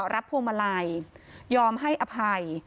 พวงมาลัยยอมให้อภัย